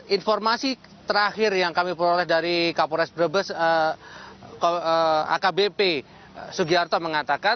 informasi terakhir yang kami peroleh dari kapolres brebes akbp sugiarto mengatakan